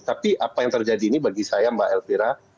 tapi apa yang terjadi ini bagi saya mbak elvira